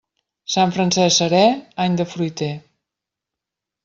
Sant Francesc serè, any de fruiter.